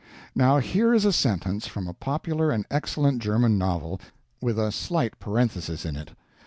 Now here is a sentence from a popular and excellent German novel with a slight parenthesis in it.